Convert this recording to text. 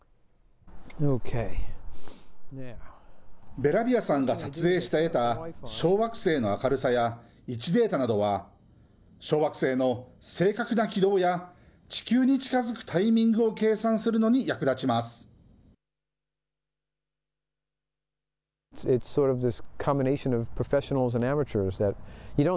べラビアさんが撮影して得た小惑星の明るさや位置データなどは、小惑星の正確な軌道や、地球に近づくタイミングを計算するのに役立ちます。